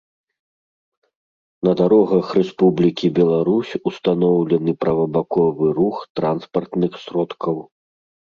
На дарогах Рэспублікі Беларусь устаноўлены правабаковы рух транспартных сродкаў